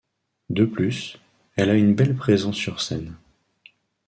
De plus, elle a une belle présence sur scène.